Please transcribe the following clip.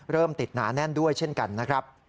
เริ่มติดหนาแน่นด้วยเช่นกันนะครับ